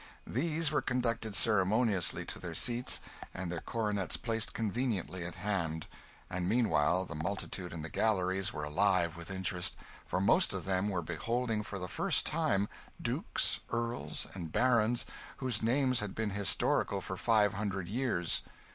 These were conducted ceremoniously to their seats, and their coronets placed conveniently at hand; and meanwhile the multitude in the galleries were alive with interest, for most of them were beholding for the first time, dukes, earls, and barons, whose names had been historical for five hundred years.